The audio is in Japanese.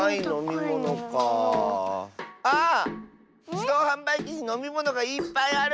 じどうはんばいきにのみものがいっぱいある！